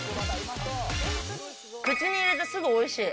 口に入れてすぐおいしい。